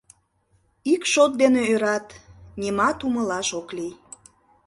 Ик шот дене ӧрат, нимат умылаш ок лий.